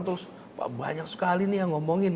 terus pak banyak sekali nih yang ngomongin